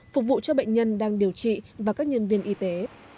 phục vụ cho bệnh nhân đang điều trị và các nhân viên y tế